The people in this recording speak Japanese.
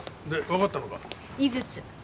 井筒。